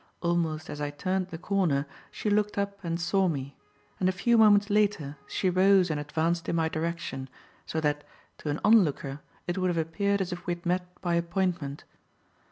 Almost as I turned the corner, she looked up and saw me; and a few moments later, she rose and advanced in my direction, so that, to an onlooker it would have appeared as if we had met by appointment.